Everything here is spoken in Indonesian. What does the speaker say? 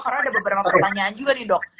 karena ada beberapa pertanyaan juga nih dok